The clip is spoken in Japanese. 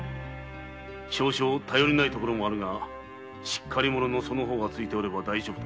少し頼りないところもあるがしっかり者のその方がついておれば大丈夫だ。